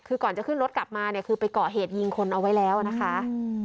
คือก่อนจะขึ้นรถกลับมาเนี่ยคือไปก่อเหตุยิงคนเอาไว้แล้วนะคะ